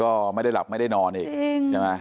ก็ไม่ได้หลับไม่ได้นอนอีก